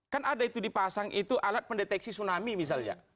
kan ada itu dipasang itu alat pendeteksi tsunami misalnya